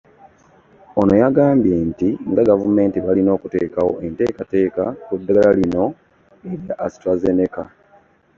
Ono yagambye nti nga gavumenti balina okuteekawo enteekateeka ku ddagala lino erya AstraZeneca